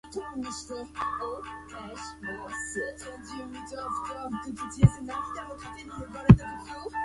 最新的釋出資料集